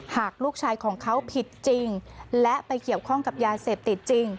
หากลูกชายของเขาผิดจริงและไปเกี่ยวข้องกับยาเสพติดจริง